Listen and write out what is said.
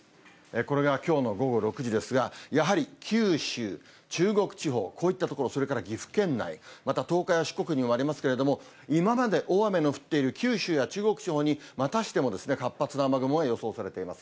これがきょうの午後６時ですが、やはり九州、中国地方、こういった所、それから岐阜県内、また東海や四国にもありますけれども、今まで大雨の降っている九州や中国地方にまたしても活発な雨雲が予想されています。